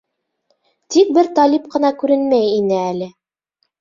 Тик бер Талип ҡына күренмәй ине әле.